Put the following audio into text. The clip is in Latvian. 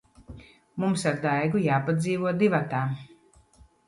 Mums ar Daigu jāpadzīvo divatā.